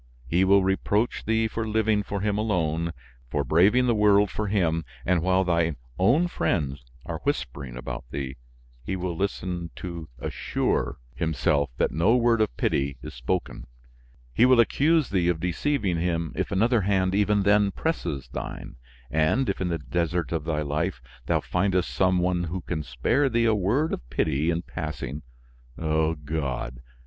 He will reproach thee for living for him alone, for braving the world for him, and while thy own friends are whispering about thee, he will listen to assure himself that no word of pity is spoken; he will accuse thee of deceiving him if another hand even then presses thine, and if, in the desert of thy life, thou findest some one who can spare thee a word of pity in passing. O God!